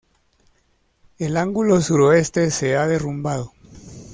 El ángulo suroeste se ha derrumbado.